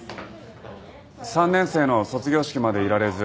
３年生の卒業式までいられず。